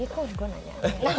ya kok gua nanya